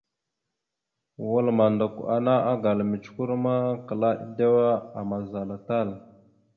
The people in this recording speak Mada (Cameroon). Wal mandakw ana agala mʉcəkœr ma klaa edewa amaza tal.